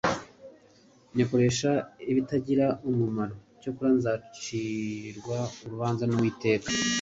nyakoresha ibitagira umumaro. Icyakora nzacirwa urubanza n'Uwiteka,